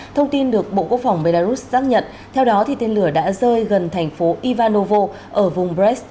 thông tin được bộ quốc phòng belarus xác nhận theo đó tên lửa đã rơi gần thành phố ivanovo ở vùng brex